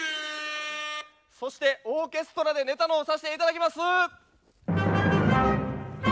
そしてオーケストラでネタの方させて頂きます！